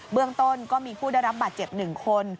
เรื่องต้นก็มีผู้ได้รับบาดเจ็บ๑คน